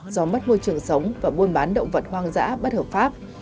do mất môi trường sống và buôn bán động vật hoang dã bất hợp pháp